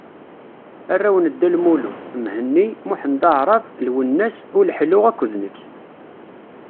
Arraw n Dda Lmulud: Mhenni, Muḥend Aɛṛab, Lwennas, Uleḥlu akked nekk.